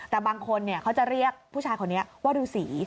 แต่บางคนเขาจะเรียกผู้ชายคนนี้ว่าฤษี